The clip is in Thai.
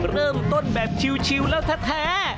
เริ่มต้นแบบชิวแล้วแท้